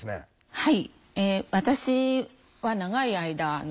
はい。